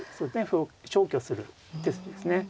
歩を消去する手筋ですね。